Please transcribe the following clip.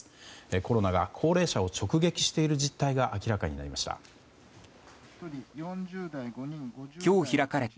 コロナが高齢者を直撃している実態が明らかになりました。